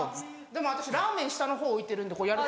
でも私ラーメン下のほう置いてるんでこうやる。